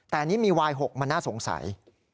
แต่นี่มีวาย๖มันน่าสงสัย